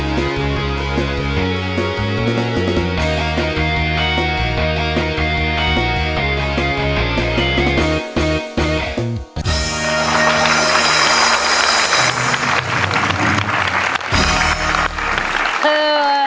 เย้